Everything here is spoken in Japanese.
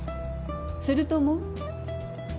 すると思う？